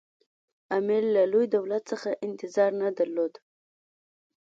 امیر له لوی دولت څخه انتظار نه درلود.